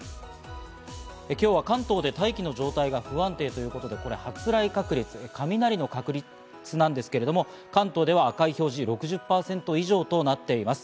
今日は関東で大気の状態が不安定ということで発雷確率、雷の確率なんですけど、関東では赤い表示、６０％以上となっています。